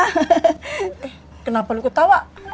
eh kenapa lu ketawa